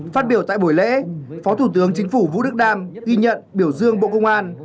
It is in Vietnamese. phát biểu tại buổi lễ phó thủ tướng chính phủ vũ đức đam ghi nhận biểu dương bộ công an